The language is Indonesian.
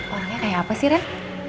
orangnya kayak apa sih ren